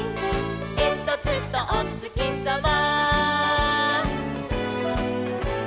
「えんとつとおつきさま」